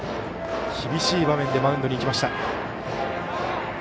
厳しい場面でマウンドに行きました。